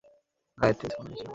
গায়ের তেজ কমে গেছে আবার!